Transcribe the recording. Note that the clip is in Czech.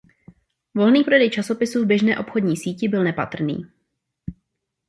Volný prodej časopisu v běžné obchodní síti byl nepatrný.